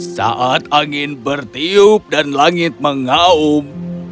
saat angin bertiup dan langit mengaum